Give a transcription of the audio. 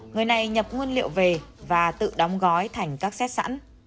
người này nhập nguyên liệu về và tự đóng gói thành các xét sẵn